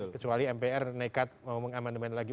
kecuali mpr nekat mau mengamandemen lagi